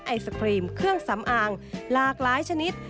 ไอศครีมเครื่องสำอางหลากหลายชนิด